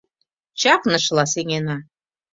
Чакнышыла сеҥена.